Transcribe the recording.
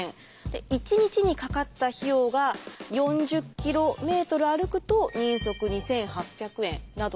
一日にかかった費用が４０キロメートル歩くと人足２，８００円などなど。